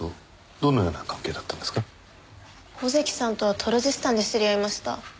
小関さんとはトルジスタンで知り合いました。